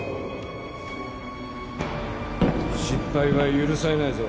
失敗は許されないぞ。